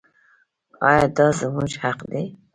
آیا دا زموږ حق دی؟